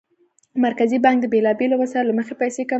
مرکزي بانک د بېلابېلو وسایلو له مخې پیسې کنټرولوي.